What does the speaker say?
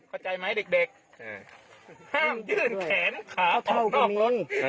เข้าใจไหมเด็กเด็กเออห้ามยื่นแขนขาออกนอกเออ